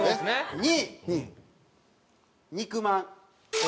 ２位肉まん。